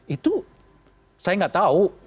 itu saya gak tahu